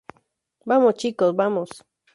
vamos, chicos. vamos.